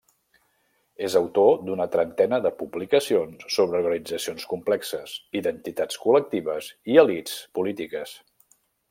És autor d'una trentena de publicacions sobre organitzacions complexes, identitats col·lectives, i elits polítiques.